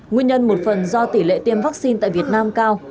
nguyên nhân một phần do tỷ lệ tiêm vaccine tại việt nam cao